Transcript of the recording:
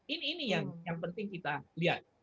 ini ini yang penting kita lihat